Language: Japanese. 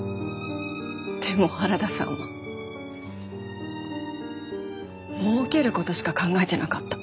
でも原田さんは儲ける事しか考えてなかった。